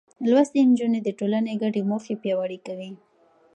لوستې نجونې د ټولنې ګډې موخې پياوړې کوي.